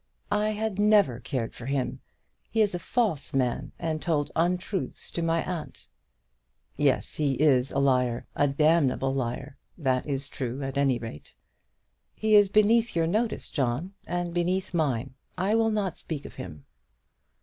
"I had never cared for him. He is a false man, and told untruths to my aunt." "Yes, he is, a liar, a damnable liar. That is true at any rate." "He is beneath your notice, John, and beneath mine. I will not speak of him."